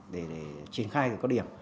để triển khai các điểm